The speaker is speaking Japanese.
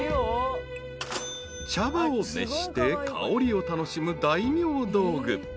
［茶葉を熱して香りを楽しむ大名道具］